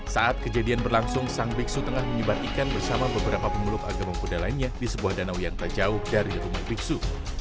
saat kejadian berlangsung sang biksu tengah menyebar ikan bersama beberapa pemeluk agama kuda lainnya di sebuah danau yang tak jauh dari rumah biksu